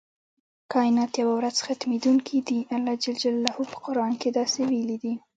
کائنات یوه ورځ ختمیدونکي دي الله ج په قران کې داسې ویلي دی.